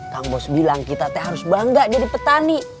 kang bos bilang kita teh harus bangga jadi petani